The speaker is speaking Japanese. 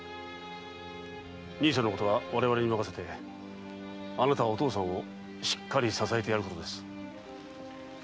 兄さんのことは我々に任せてあなたはお父さんをしっかり支えてやることです。